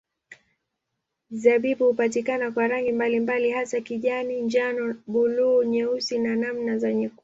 Zabibu hupatikana kwa rangi mbalimbali hasa kijani, njano, buluu, nyeusi na namna za nyekundu.